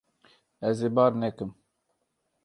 Ez ê bar nekim.